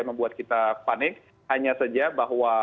membuat kita panik hanya saja bahwa